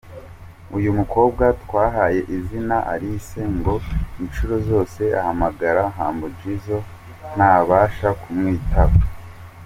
Uyu mukobwa twahaye izina ‘Alice’ ngo inshuro zose ahamagara Humble Jizzo ntabasha kumwitaba.